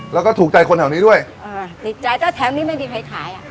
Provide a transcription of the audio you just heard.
แล้วก็ถูกใจคนแถวนี้ด้วยอ่าติดใจถ้าแถวนี้ไม่มีใครขายอ่ะ